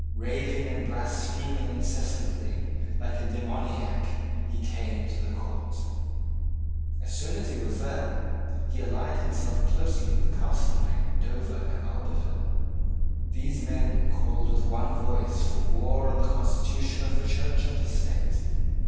Raving and blaspheming incessantly, like a demoniac, he came to the court. As soon as he was there, he allied himself closely with Castelmaine, Dover, and Albeville. These men called with one voice for war on the constitution of the Church and the State.